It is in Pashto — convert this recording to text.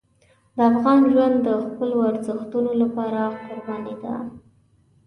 د افغان ژوند د خپلو ارزښتونو لپاره قرباني ده.